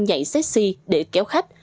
nhạy sexy để kéo khách